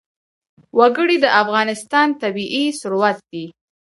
وګړي د افغانستان طبعي ثروت دی.